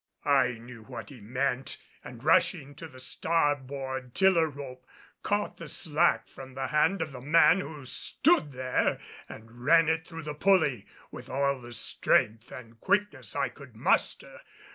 I knew what he meant and rushing to the starboard tiller rope, caught the slack from the hand of the man who stood there and ran it through the pulley with all the strength and quickness I could muster.